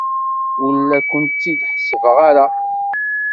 Ur la kent-id-ḥessbeɣ ara.